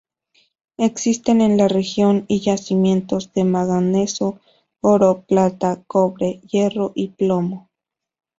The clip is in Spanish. Existen en la región yacimientos de manganeso, oro, plata, cobre, hierro y plomo.